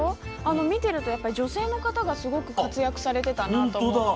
見ていると女性の方がすごく活躍されてたなと思って。